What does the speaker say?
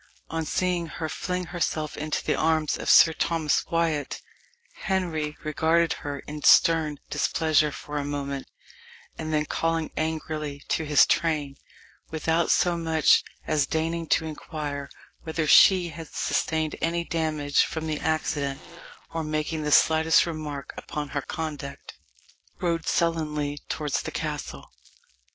On seeing her fling herself into the arms of Sir Thomas Wyat, Henry regarded her in stern displeasure for a moment, and then calling angrily to his train, without so much as deigning to inquire whether she had sustained any damage from the accident, or making the slightest remark upon her conduct, rode sullenly towards the castle.